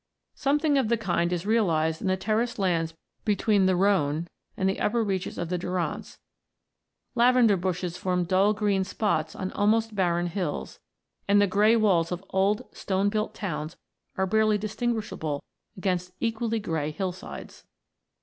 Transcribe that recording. Something of the kind is realised in the terraced lands between the Rhone and the upper reaches of the Durance ; lavender bushes form dull green spots on almost barren hills, and the grey walls of old stone built towns are barely distinguishable against equally grey hillsides.